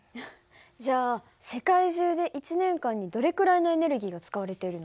じゃあ世界中で１年間にどれくらいのエネルギーが使われているの？